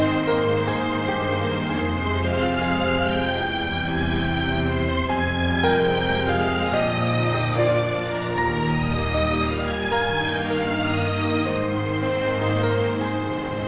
tidak ada duit